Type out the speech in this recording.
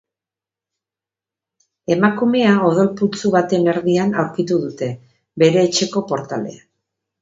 Emakumea odol putzu baten erdian aurkitu dute, bere etxeko portalean.